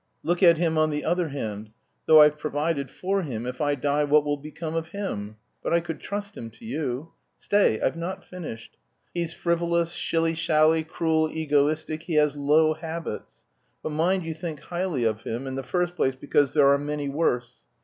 Look at him on the other hand. Though I've provided for him, if I die what will become of him? But I could trust him to you. Stay, I've not finished. He's frivolous, shilly shally, cruel, egoistic, he has low habits. But mind you think highly of him, in the first place because there are many worse.